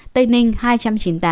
tây ninh hai trăm chín mươi tám